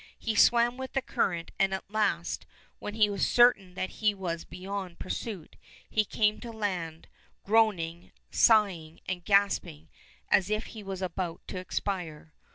He swam with the current, and at last, when he was certain that he was beyond pursuit, he came to land, groaning, sighing, and gasping as if he was about to expire.